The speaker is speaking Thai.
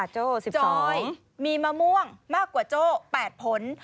โจทย์มีมะม่วงมากกว่าโจทย์๘ผล